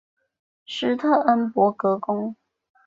施特恩伯格宫。